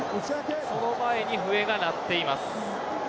その前に笛が鳴っています。